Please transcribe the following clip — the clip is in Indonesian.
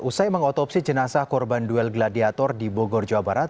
usai mengotopsi jenazah korban duel gladiator di bogor jawa barat